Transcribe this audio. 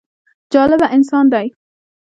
جالبه انسان دی.